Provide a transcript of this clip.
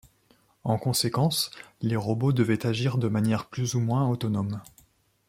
En conséquence, les robots devaient agir de manière plus ou moins autonome.